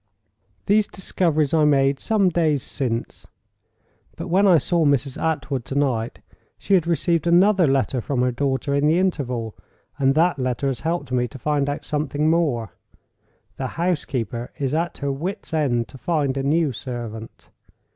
These discoveries I made some days since. But when I saw Mrs. Attwood to night, she had received another letter from her daughter in the interval, and that letter has helped me to find out something more. The housekeeper is at her wits' end to find a new servant.